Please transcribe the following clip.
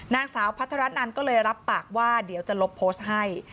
นางสาวพัทรนันก็เลยรับปากว่าเดี๋ยวจะลบโพสต์ให้